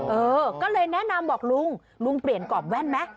เออก็เลยแนะนำบอกลุงลุงเปลี่ยนกรอบแว่นไหม